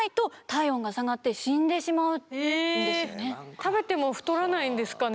食べても太らないんですかね？